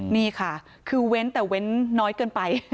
นี่ค่ะคือเว้นแต่เว้นน้อยเกินไป